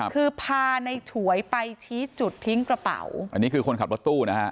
คือพาในฉวยไปชี้จุดทิ้งกระเป๋าอันนี้คือคนขับรถตู้นะฮะ